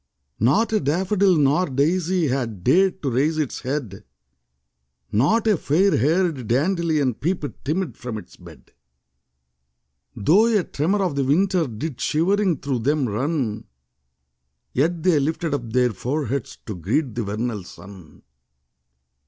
Not a daffodil nor daisy Had dared to raise its head; Not a fairhaired dandelion Peeped timid from its bed; THE CROCUSES. 5 Though a tremor of the winter Did shivering through them run; Yet they lifted up their foreheads To greet the vernal sun.